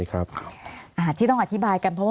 มีความรู้สึกว่ามีความรู้สึกว่า